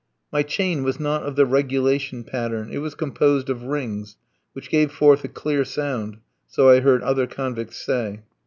My chain was not of the regulation pattern; it was composed of rings, which gave forth a clear sound, so I heard other convicts say.